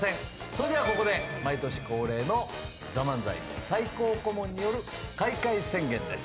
それではここで毎年恒例の『ＴＨＥＭＡＮＺＡＩ』最高顧問による開会宣言です。